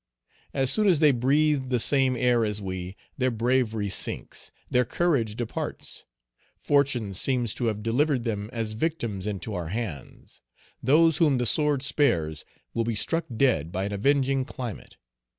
As soon as they breathe the same air as we, their bravery sinks, their courage departs. Fortune seems to have delivered them as victims into our hands. Those whom the sword spares will be struck dead by an avenging climate.